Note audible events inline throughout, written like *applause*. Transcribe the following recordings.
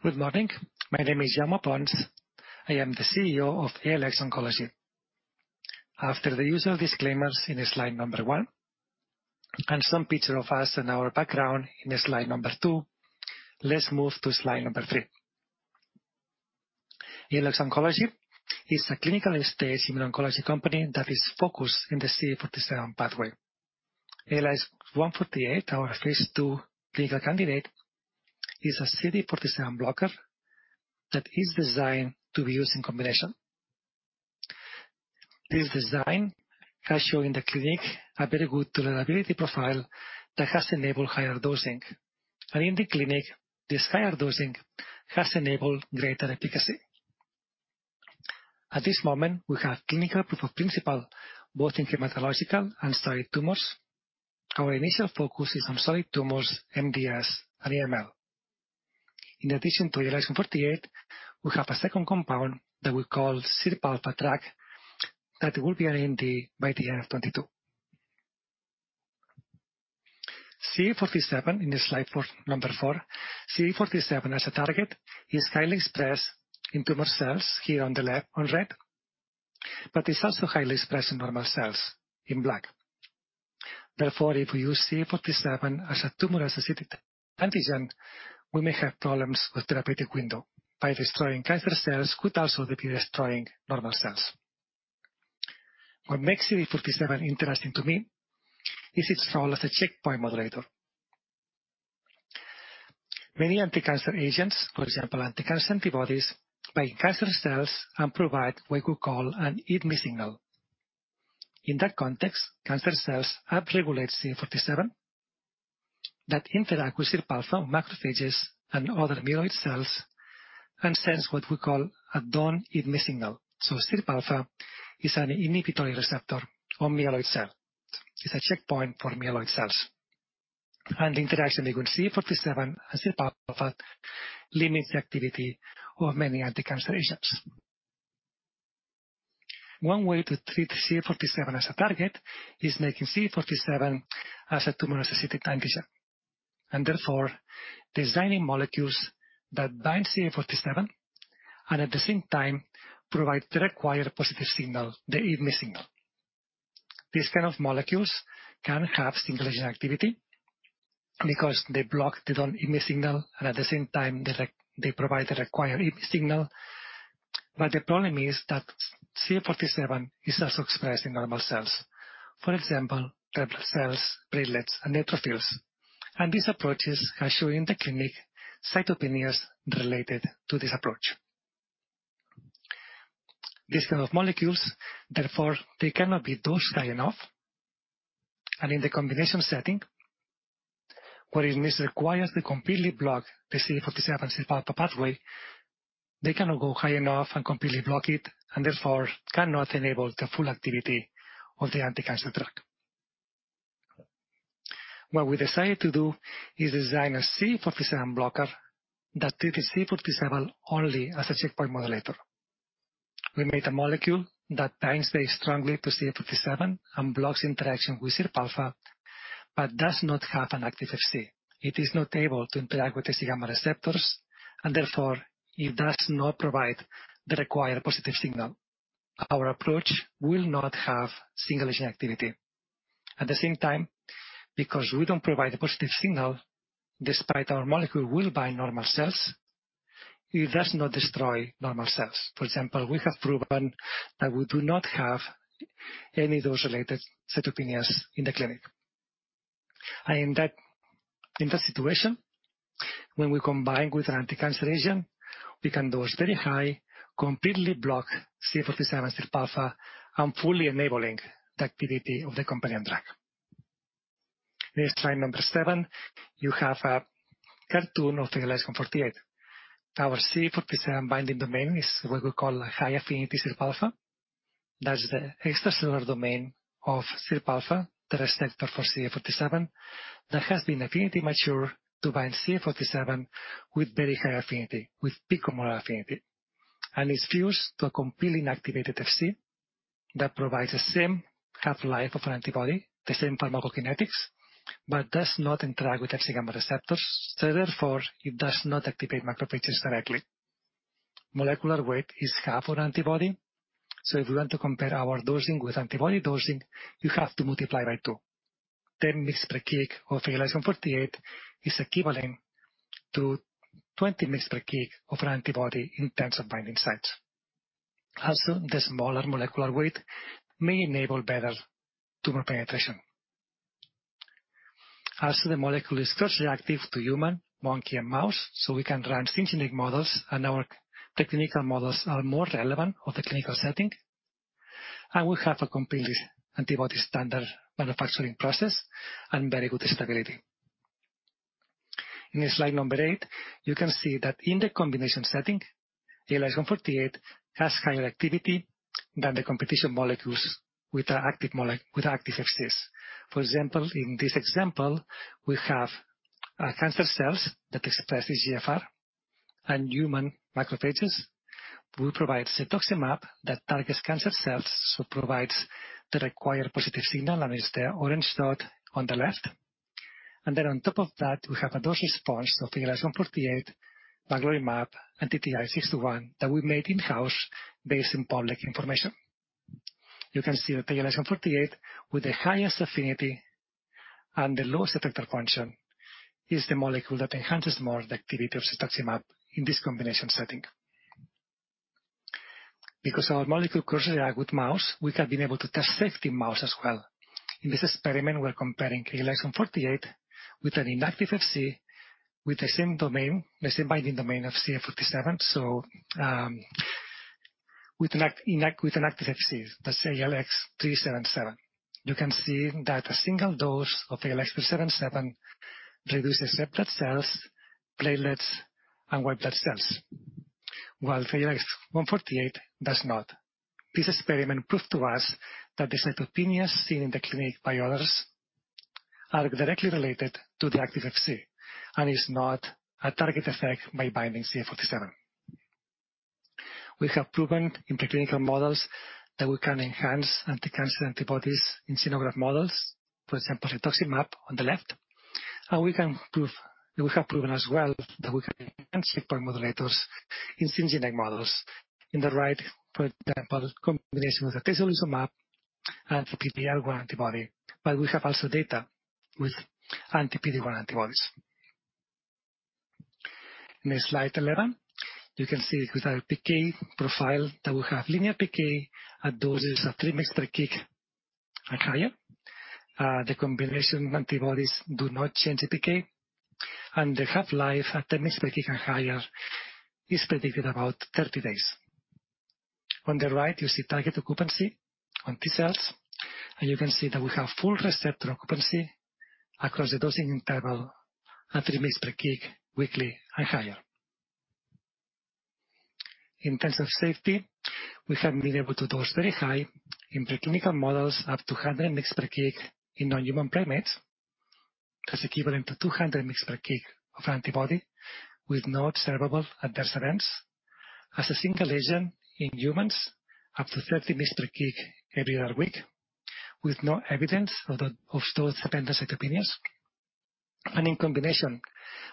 Good morning. My name is Jaume Pons. I am the Chief Executive Officer of ALX Oncology. After the usual disclaimers in slide number one and some pictures of us and our background in slide number two, let's move to slide number three. ALX Oncology is a clinical-stage immuno-oncology company that is focused on the CD47 pathway. ALX148, our phase II clinical candidate, is a CD47 blocker that is designed to be used in combination. This design has shown in the clinic a very good tolerability profile that has enabled higher dosing, and in the clinic, this higher dosing has enabled greater efficacy. At this moment, we have clinical proof of principle, both in hematological and solid tumors. Our initial focus is on solid tumors, myelodysplastic syndrome, and acute myeloid leukemia. In addition to ALX148, we have a second compound that we call SIRPα TRAAC that will be in the Investigational New Drug by the end of 2022. In slide number four, CD47 as a target is highly expressed in tumor cells here on the left in red, it's also highly expressed in normal cells in black. Therefore, if we use CD47 as a tumor-associated antigen, we may have problems with therapeutic window. By destroying cancer cells could also be destroying normal cells. What makes CD47 interesting to me is its role as a checkpoint modulator. Many anti-cancer agents, for example, anti-cancer antibodies, bind cancer cells and provide what we call an "eat me" signal. In that context, cancer cells upregulate CD47 that interacts with SIRPα on macrophages and other myeloid cells and sends what we call a "don't eat me" signal. SIRPα is an inhibitory receptor on myeloid cell. It's a checkpoint for myeloid cells. The interaction between CD47 and SIRPα limits the activity of many anti-cancer agents. One way to treat CD47 as a target is making CD47 as a tumor-associated antigen, therefore designing molecules that bind CD47 and at the same time provide the required positive signal, the "eat me" signal. These kind of molecules can have single agent activity because they block the "don't eat me" signal and at the same time, they provide the required "eat me" signal. The problem is that CD47 is also expressed in normal cells. For example, T cells, platelets, and neutrophils. These approaches have shown in the clinic cytopenias related to this approach. These kind of molecules, therefore, they cannot be dosed high enough, and in the combination setting, what is required is to completely block the CD47/SIRPα pathway. They cannot go high enough and completely block it, and therefore cannot enable the full activity of the anti-cancer drug. What we decided to do is design a CD47 blocker that treated CD47 only as a checkpoint modulator. We made a molecule that binds very strongly to CD47 and blocks interaction with SIRPα but does not have an active fragment crystallizable. It is not able to interact with the Fc gamma receptors, and therefore it does not provide the required positive signal. Our approach will not have single agent activity. At the same time, because we don't provide the positive signal, despite our molecule will bind normal cells, it does not destroy normal cells. For example, we have proven that we do not have any dose-related cytopenias in the clinic. In that situation, when we combine with an anti-cancer agent, we can dose very high, completely block CD47 and SIRPα, and fully enabling the activity of the companion drug. In slide number seven, you have a cartoon of ALX148. Our CD47 binding domain is what we call high-affinity SIRPα. That's the extracellular domain of SIRPα, the receptor for CD47, that has been affinity matured to bind CD47 with very high affinity, with picomolar affinity. It's fused to a completely inactivated Fc that provides the same half-life of an antibody, the same pharmacokinetics, but does not interact with Fc gamma receptors. Therefore, it does not activate macrophages directly. Molecular weight is half an antibody, so if you want to compare our dosing with antibody dosing, you have to multiply by two. 10 mg/kg of ALX148 is equivalent to 20 mg/kg of an antibody in terms of binding sites. The smaller molecular weight may enable better tumor penetration. The molecule is cross-reactive to human, monkey, and mouse, so we can run engineered models, the clinical models are more relevant of the clinical setting. We have a completely antibody standard manufacturing process and very good stability. In slide number eight, you can see that in the combination setting, ALX148 has higher activity than the competition molecules with active Fcs. For example, in this example, we have cancer cells that express Epidermal Growth Factor Receptor and human macrophages. We provide cetuximab that targets cancer cells, so provides the required positive signal and is the orange dot on the left. On top of that, we have a dose response of ALX148, paclitaxel, and TTI-621 that we make in-house based on public information. You can see that ALX148 with the highest affinity and the lowest receptor function is the molecule that enhances more the activity of cetuximab in this combination setting. Our molecule cross-reacts to mouse, we have been able to test safety in mouse as well. In this experiment, we're comparing ALX148 with an inactive Fc with the same binding domain of CD47, so with active Fc, that's ALX377. You can see that a single dose of ALX377 reduces red blood cells, platelets, and white blood cells, while ALX148 does not. This experiment proved to us that the cytopenias seen in the clinic by others are directly related to the active Fc and is not a target effect by binding CD47. We have proven in preclinical models that we can enhance anti-cancer antibodies in xenograft models, for example, cetuximab on the left. We have proven as well that we can enhance checkpoint modulators in syngeneic models. In the right, for example, combination with atezolizumab and anti-PD-1 antibody, but we have also data with anti-PD-1 antibodies. Next slide, Elena. You can see with our pharmacokinetics profile that we have linear PK at doses of 3 mg/kg and higher. The combination of antibodies do not change PK, and the half-life at 3 mg/kg and higher is predicted about 30 days. On the right, you see target occupancy on T cells, and you can see that we have full receptor occupancy across the dosing interval at 3 mg/kg weekly and higher. In terms of safety, we have been able to dose very high in preclinical models up to 100 mg/kg in non-human primates. That's equivalent to 200 mg/kg of antibody with no observable adverse events. As a single agent in humans, up to 30 mg/kg every other week, with no evidence of dose-dependent cytopenias. In combination,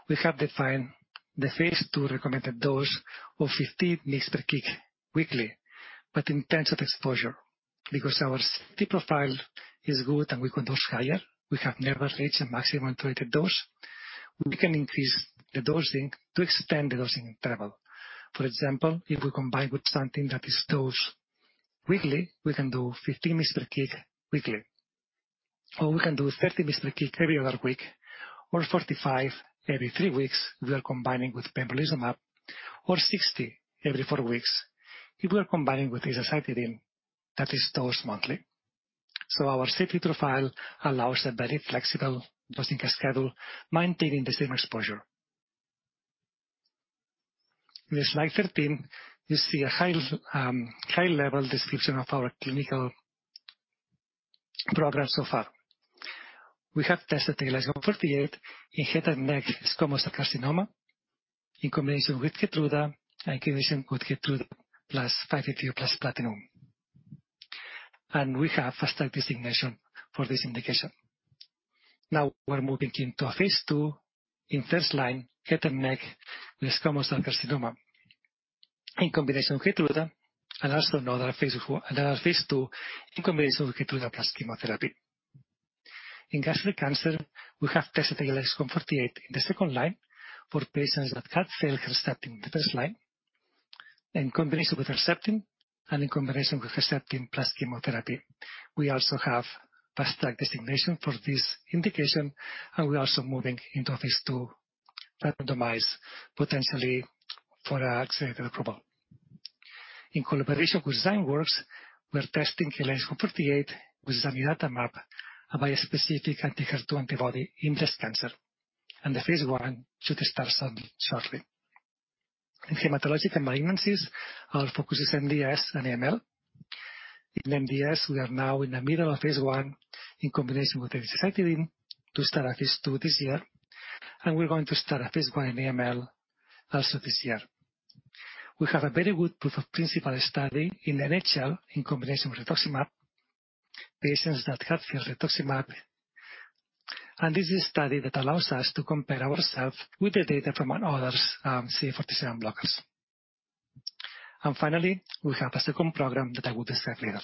we have defined the phase II recommended dose of 15 mg/kg weekly, but in terms of exposure, because our safety profile is good and we can dose higher, we have never reached a maximum tolerated dose, we can increase the dosing to extend the dosing interval. For example, if we combine with something that is dosed weekly, we can do 15 mg/kg weekly, or we can do 30 mg/kg every other week or 45 every three weeks if we're combining with pembrolizumab, or 60 every four weeks if we're combining with decitabine that is dosed monthly. Our safety profile allows a very flexible dosing schedule, maintaining the same exposure. In slide 13, you see a high-level description of our clinical progress so far. We have tested ALX148 in head and neck squamous cell carcinoma in combination with KEYTRUDA and combination with KEYTRUDA plus carboplatin. We have Fast Track designation for this indication. Now we're moving into phase II in first-line head and neck squamous cell carcinoma in combination with KEYTRUDA, and also another phase II in combination with KEYTRUDA plus chemotherapy. In gastric cancer, we have tested ALX148 in the second line for patients that had failed HERCEPTIN in the first line, in combination with HERCEPTIN, in combination with HERCEPTIN plus chemotherapy. We also have Fast Track designation for this indication. We're also moving into phase II randomized, potentially for an accelerated approval. In collaboration with Zymeworks, we're testing ALX148 with zanidatamab, a bispecific anti-Human Epidermal growth factor Receptor 2 antibody in breast cancer. The phase I should start shortly. In hematologic malignancies, our focus is MDS and AML. In MDS, we are now in the middle of phase I in combination with decitabine to start a phase II this year. We're going to start a phase I in AML also this year. We have a very good proof of principle study in Non-Hodgkin lymphoma in combination with rituximab, patients that have had rituximab. This is a study that allows us to compare ourselves with the data from others' CD47 blockers. Finally, we have a second program that I will describe later.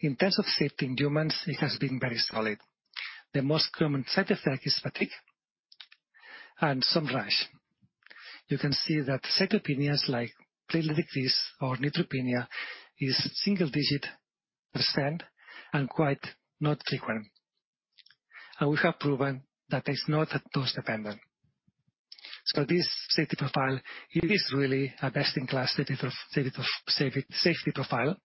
In terms of safety in humans, it has been very solid. The most common side effect is fatigue and some rash. You can see that cytopenias like platelet decrease or neutropenia is single-digit % and quite not frequent, and we have proven that it's not dose-dependent. This safety profile is really a best-in-class safety profile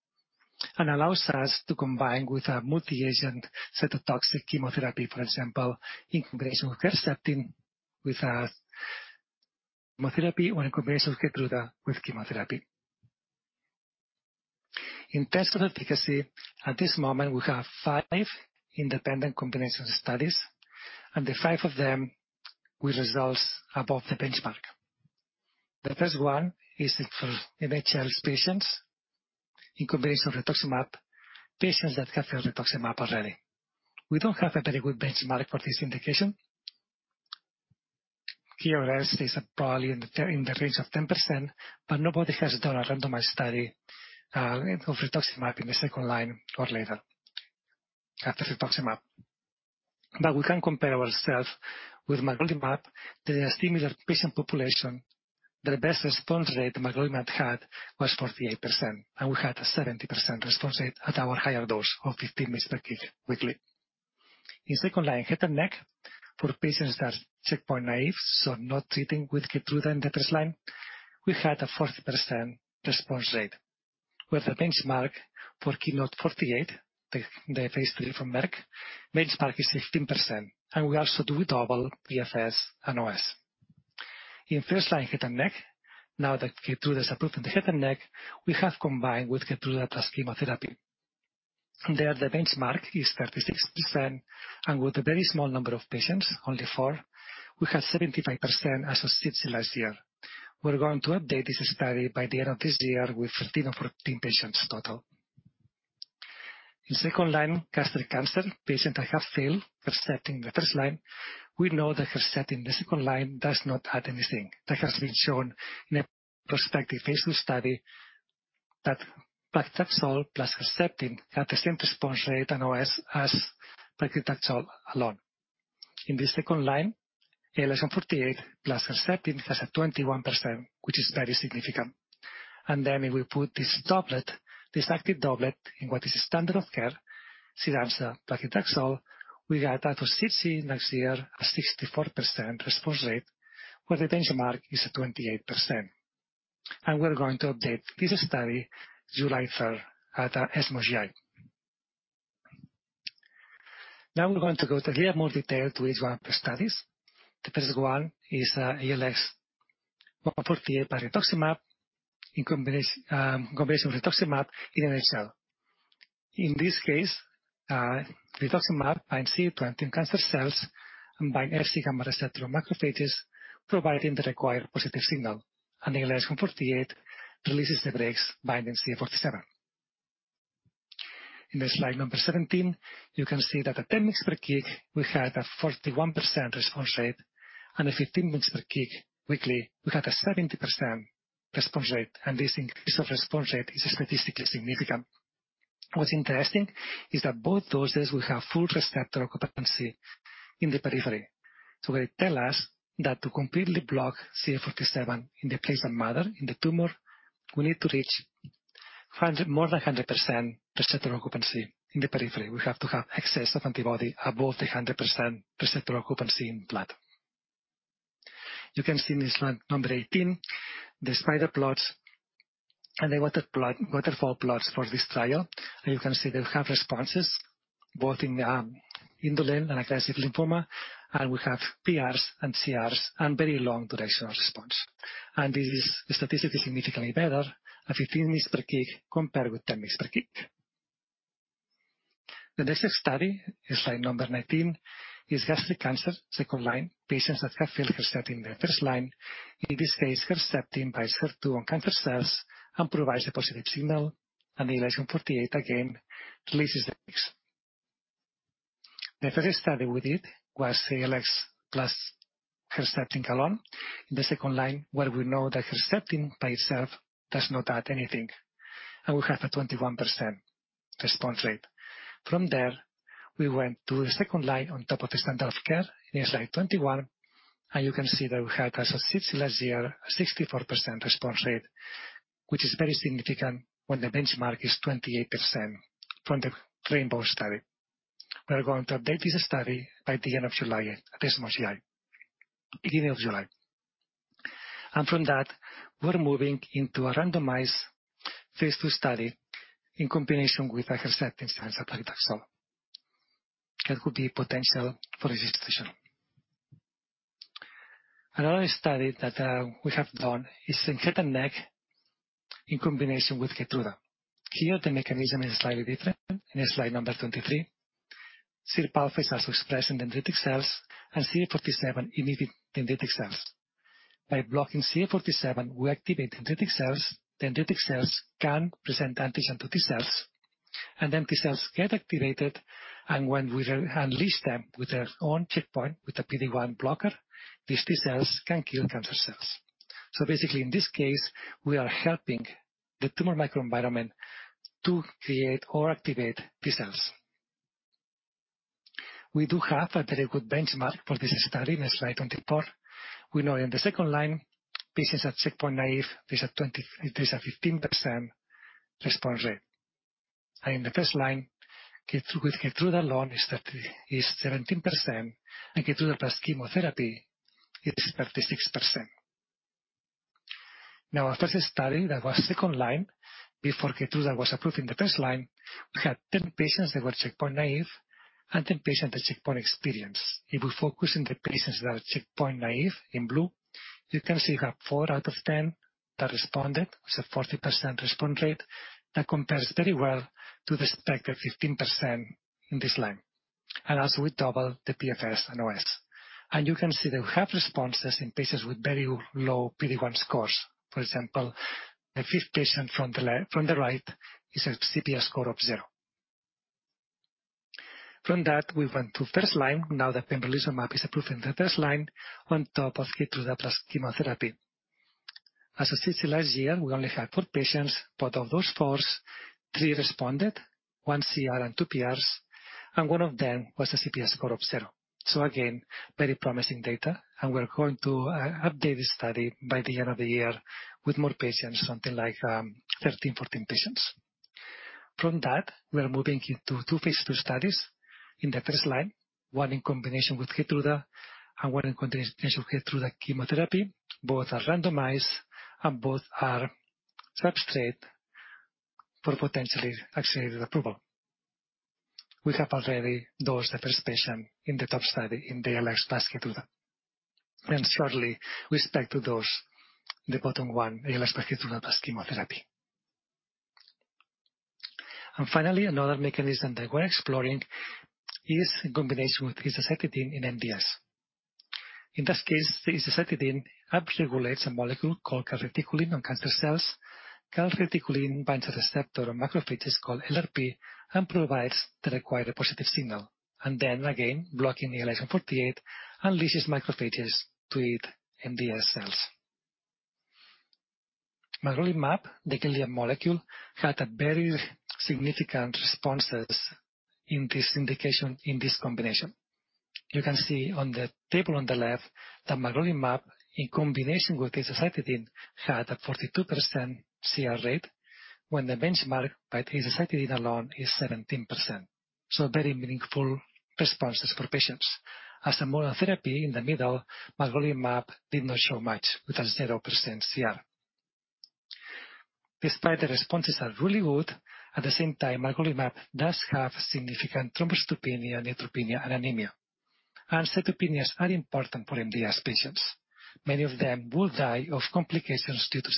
and allows us to combine with a multi-agent cytotoxic chemotherapy, for example, in combination with HERCEPTIN with chemotherapy, when combined with KEYTRUDA with chemotherapy. In terms of efficacy, at this moment, we have five independent combination studies, the five of them with results above the benchmark. The first one is for NHL patients in combination rituximab, patients that have had rituximab already. We don't have a very good benchmark for this indication. Here, it stays at probably in the range of 10%, but nobody has done a randomized study of rituximab in the second-line or later after rituximab. We can compare ourselves with obinutuzumab, the similar patient population. The best response rate obinutuzumab had was 48%, and we had a 70% response rate at our higher dose of 15 mg/kg weekly. In second-line head and neck for patients that are checkpoint-naïve, not treated with KEYTRUDA in the first-line, we had a 40% response rate. We have a benchmark for KEYNOTE-048, the phase III from Merck, benchmark is 15%, and we also do double Progression-free survival and Overall survival. In first-line head and neck, now that KEYTRUDA is approved in head and neck, we have combined with KEYTRUDA plus chemotherapy. There, the benchmark is 36%. With a very small number of patients, only four, we had 75% at ASCO last year. We're going to update this study by the end of this year with 13 or 14 patients total. In second-line gastric cancer, patients that have failed trastuzumab in the first-line, we know that trastuzumab in the second-line does not add anything. That has been shown in a prospective phase II study that platinum plus trastuzumab had the same response rate and OS as platinum alone. In the second-line, ALX148 plus trastuzumab has a 21%, which is very significant. We put this active doublet in what is standard of care, ramucirumab, platinum. We had at OS last year a 64% response rate, where the benchmark is at 28%. We're going to update this study July 3rd at European Society for Medical Oncology Gastrointestinal. Now we're going to go to a little more detail to each one of the studies. The first one is ALX. One point here about rituximab in combination with rituximab in NHL. In this case, rituximab binds CD20 in cancer cells and by Fc gamma receptor through macrophages, providing the required positive signal. ALX148 releases the brakes by the CD47. In slide number 17, you can see that at 10 mg/kg, we had a 41% response rate, and at 15 mg/kg weekly, we had a 70% response rate. This increase of response rate is statistically significant. What's interesting is that both doses will have full receptor occupancy in the periphery. They tell us that to completely block CD47 in the place of mother in the tumor, we need to reach more than 100% receptor occupancy in the periphery. We have to have excess of antibody above the 100% receptor occupancy in blood. You can see in slide number 18, the spider plots and the waterfall plots for this trial. You can see they have responses both in indolent and aggressive lymphoma, we have partial responses and complete responses and very long duration of response. This is statistically significantly better at 15 mg/kg compared with 10 mg/kg. The next study in slide number 19 is gastric cancer second-line, patients that have failed trastuzumab in their first-line. In this case, trastuzumab binds HER2 on cancer cells and provides a positive signal, and ALX148 again releases the brakes. The first study we did was ALX plus trastuzumab alone in the second-line, where we know that trastuzumab by itself does not add anything, and we have a 21% response rate. From there, we went to the second-line on top of the standard of care in slide 21, and you can see that we have associated last year a 64% response rate, which is very significant when the benchmark is 28% from the RAINBOW study. We're going to update this study by the end of July at ESMO GI. Beginning of July. From that, we're moving into a randomized phase II study in combination with trastuzumab, Xeloda, platinum. There could be potential for this situation. Another study that we have done is in head and neck in combination with KEYTRUDA. Here, the mechanism is slightly different in slide number 23. SIRPalpha is now expressed in dendritic cells and CD47 in T cells. By blocking CD47, we activate dendritic cells. Dendritic cells can present antigen to T cells, and then T cells get activated, and when we unleash them with their own checkpoint, with a PD-1 blocker, these T cells can kill cancer cells. Basically, in this case, we are helping the tumor microenvironment to create or activate T cells. We do have a very good benchmark for this study in slide 24. We know in the second-line, patients that's checkpoint-naïve, there's a 15% response rate. In the first-line, with KEYTRUDA alone is 17%, and KEYTRUDA plus chemotherapy, it is 36%. Now, our first study that was second-line before KEYTRUDA was approved in the first-line, we had 10 patients that were checkpoint-naïve and 10 patients that checkpoint-experienced. If we focus on the patients that are checkpoint-naïve in blue, you can see we have four out of 10 that responded. It's a 40% response rate. That compares very well to the expected 15% in this line. As we double the PFS and OS. You can see we have responses in patients with very low PD-1 scores. For example, the fifth patient from the right is a combined positive score of zero. From that, we went to first line, now that pembrolizumab is approved in the first line on top of cetuximab chemotherapy. At *audio distortion* last year, we only had four patients. Out of those four, three responded, one CR and two PRs, and one of them was a CPS score of zero. Again, very promising data, and we're going to update this study by the end of the year with more patients, something like 13, 14 patients. We are moving into two phase II studies in the first line, one in combination with KEYTRUDA and one in combination with KEYTRUDA chemotherapy. Both are randomized, both are substrate for potentially accelerated approval. We have already dosed the first patient in the top study in the ALX-KEYTRUDA. Shortly, we expect to dose the bottom one, ALX-KEYTRUDA plus chemotherapy. Finally, another mechanism that we're exploring is in combination with azacitidine and MDS. In this case, azacitidine upregulates a molecule called calreticulin in cancer cells. Calreticulin binds a receptor on macrophages called SIRPα and provides the required positive signal. Again, blocking ALX148 unleashes macrophages to eat MDS cells. Magrolimab, the kindred molecule, had very significant responses in this indication, in this combination. You can see on the table on the left that magrolimab, in combination with azacitidine, had a 42% CR rate, when the benchmark by azacitidine alone is 17%. Very meaningful response rates for patients. As a monotherapy in the middle, magrolimab did not show much with a 0% CR. Despite the responses are really good, at the same time, magrolimab does have significant thrombocytopenia, neutropenia, and anemia. Cytopenias are important for MDS patients. Many of them will die of complications due to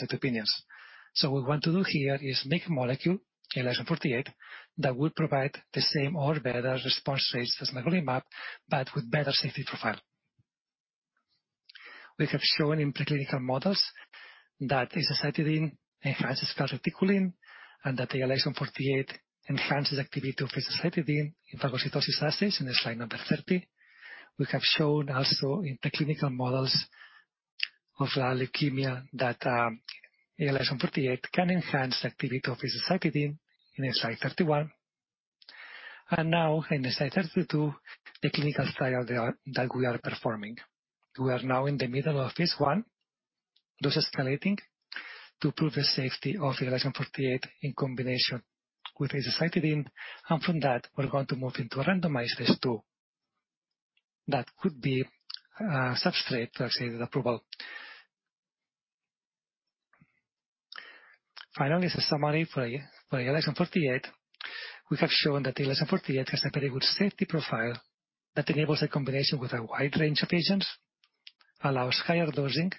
cytopenias. What we want to do here is make a molecule, ALX148, that will provide the same or better response rates as magrolimab, but with better safety profile. We have shown in preclinical models that azacitidine enhances calreticulin, and that ALX148 enhances activity of azacitidine in phagocytosis assays in the slide number 30. We have shown also in preclinical models of leukemia that ALX148 can enhance activity of azacitidine in slide 31. Now, in slide 32, the clinical study that we are performing. We are now in the middle of phase I, dose escalating, to prove the safety of ALX148 in combination with azacitidine, and from that, we're going to move into a randomized phase II that could be substrate for accelerated approval. Finally, the summary for ALX148. We have shown that ALX148 has a very good safety profile that enables a combination with a wide range of agents, allows higher dosing,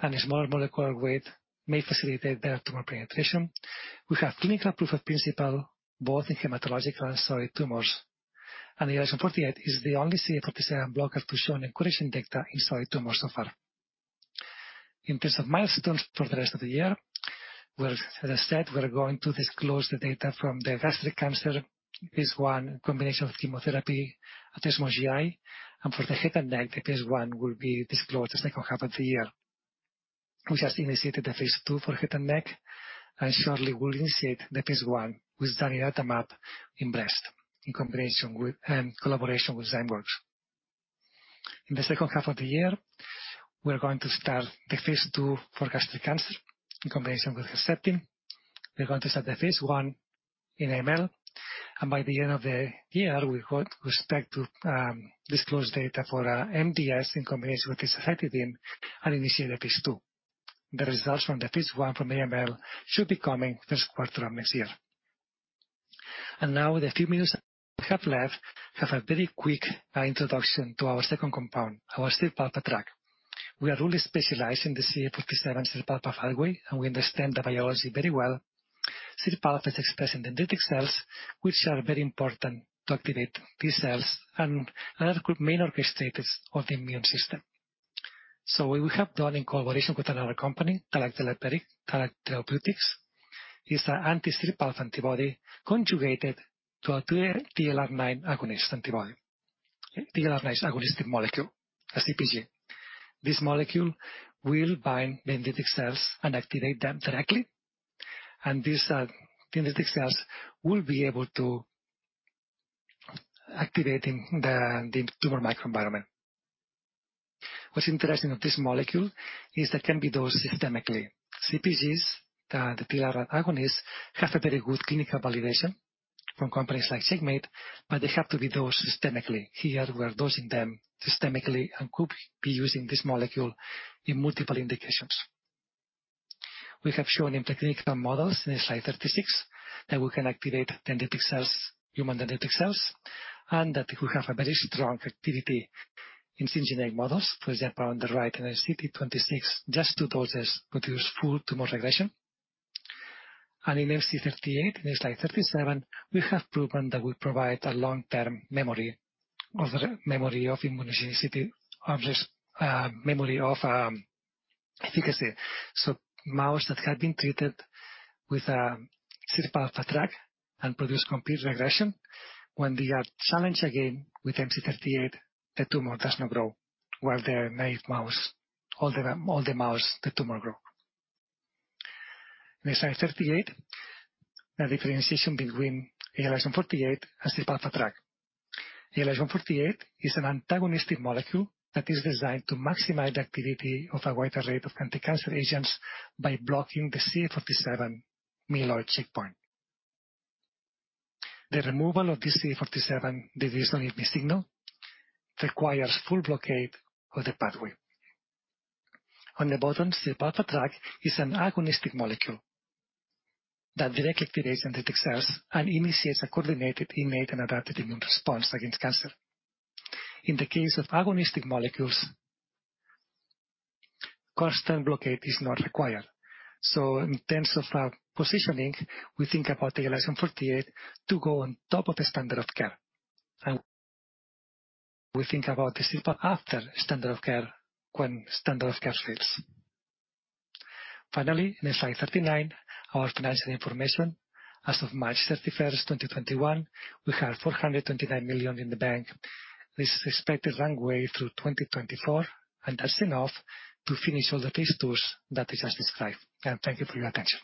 and a smaller molecular weight may facilitate better tumor penetration. We have clinical proof of principle, both in hematological and solid tumors. ALX148 is the only CD47 blocker to show encouraging data in solid tumors so far. In terms of milestones for the rest of the year, as I said, we're going to disclose the data from digestive cancer phase I combination with chemotherapy at ESMO GI, and for head and neck, the phase I will be disclosed in the second half of the year. We just initiated the phase II for head and neck, and shortly we'll initiate the phase I with zanidatamab in breast, in collaboration with Zymeworks. In the second half of the year, we're going to start the phase II for gastric cancer in combination with azacitidine. We're going to start the phase I in AML, and by the end of the year, we hope to disclose data for MDS in combination with azacitidine and initiate a phase II. The results from the phase I from the AML should be coming first quarter of next year. Now, the few minutes that we have left, have a very quick introduction to our second compound, our SIRPα TRAAC. We are really specialized in the CD47 SIRPα pathway, we understand the biology very well. SIRPα is expressed in dendritic cells, which are very important to activate T cells and have good main orchestrators of the immune system. What we have done in collaboration with another company, Tallac Therapeutics, is an anti-SIRPα antibody conjugated to a TLR9 agonist antibody. TLR9 is an agonistic molecule, a cytosine-phosphat-guanine. This molecule will bind dendritic cells, activate them directly, these dendritic cells will be able to activate the tumor microenvironment. What's interesting of this molecule is it can be dosed systemically. CpGs, the TLR agonists, have a very good clinical validation from companies like [Segmed], they have to be dosed systemically. Here, we're dosing them systemically and could be using this molecule in multiple indications. We have shown in preclinical models in slide 36 that we can activate dendritic cells, human dendritic cells, and that we have a very strong activity in syngeneic models. For example, on the right, CT26, just two doses produce full tumor regression. In MC38, in slide 37, we have proven that we provide a long-term memory of immunogenicity, memory of efficacy. Mouse that had been treated with SIRPα TRAAC and produced complete regression, when they are challenged again with MC38, the tumor does not grow. While the naive mouse, all the mouse, the tumor grow. In slide 38, the differentiation between ALX148 and SIRPα TRAAC. ALX148 is an antagonistic molecule that is designed to maximize activity of a wide array of anticancer agents by blocking the CD47 myeloid checkpoint. The removal of this CD47 signaling requires full blockade of the pathway. On the bottom, SIRPα TRAAC is an agonistic molecule that directly activates dendritic cells and initiates a coordinated innate and adaptive immune response against cancer. In the case of agonistic molecules, constant blockade is not required. In terms of positioning, we think about ALX148 to go on top of the standard of care. We think about the SIRPα after standard of care, when standard of care fails. Finally, in slide 39, our financial information. As of March 31st, 2021, we have $429 million in the bank, which is expected to runway through 2024, that's enough to finish all the phase II that we just described. Thank you for your attention.